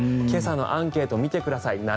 今朝のアンケートを見てください。